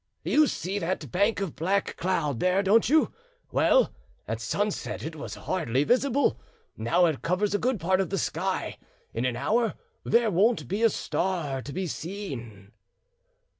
"You see that bank of black cloud there, don't you? Well, at sunset it was hardly visible, now it covers a good part of the sky, in an hour there won't be a star to be seen."